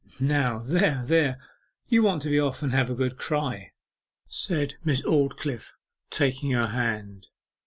'Now there, there; you want to be off, and have a good cry,' said Miss Aldclyffe, taking her hand.